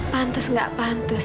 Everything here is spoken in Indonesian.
pantes gak pantes